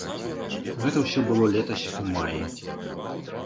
Гэта ўсё было летась у маі.